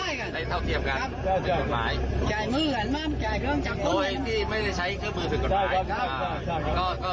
โดยที่ไม่ได้ใช้เครื่องมือเป็นกฎหมาย